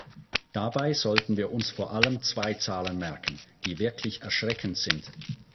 Dabei sollten wir uns vor allem zwei Zahlen merken, die wirklich erschreckend sind.